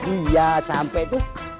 iya sampai tuh